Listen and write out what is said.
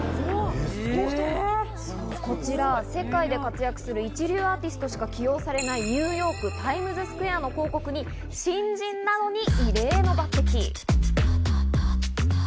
こちら、世界で活躍する一流アーティストしか起用されない、ニューヨーク・タイムズスクエアの広告に新人なのに異例の抜擢。